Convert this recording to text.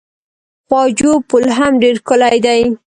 خواجو پل هم ډیر ښکلی دی.